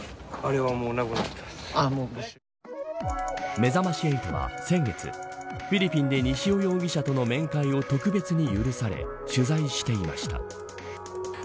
めざまし８は先月フィリピンで西尾容疑者との面会を特別に許され取材していました。